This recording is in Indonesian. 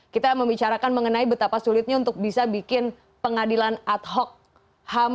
kita membicarakan mengenai betapa sulitnya untuk bisa bikin pengadilan ad hoc ham